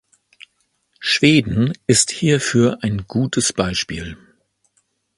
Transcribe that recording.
Schweden ist hierfür eine gutes Beispiel.